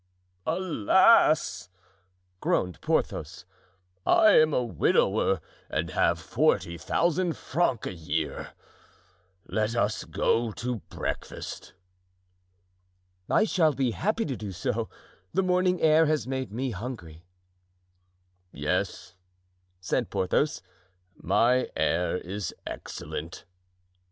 "Alas!" groaned Porthos, "I am a widower and have forty thousand francs a year. Let us go to breakfast." "I shall be happy to do so; the morning air has made me hungry." "Yes," said Porthos; "my air is excellent."